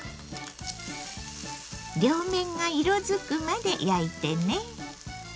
両面が色づくまで焼いてね。